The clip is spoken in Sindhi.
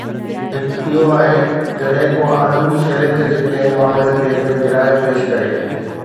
هڪ اهو آهي جڏهن ڪو عالم شريعت جي ڪنهن معاملي تي پنهنجي راءِ پيش ڪري